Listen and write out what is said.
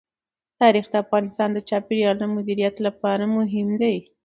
تاریخ د افغانستان د چاپیریال د مدیریت لپاره مهم دي.